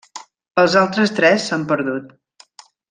Els altres tres s'han perdut.